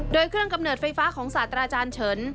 โดยเครื่องกำเนิดไฟฟ้าของศาสตราจารย์เฉิน